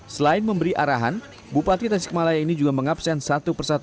selain memberi arahan bupati tasikmalaya ini juga mencari pekerjaan untuk menjaga kembali ke kota